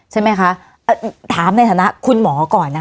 ใช่ไหมคะถามในฐานะคุณหมอก่อนนะคะ